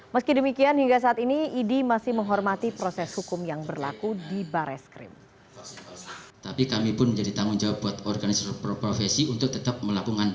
meski demikian hingga saat ini idi masih menghormati proses hukum yang berlaku di barreskrim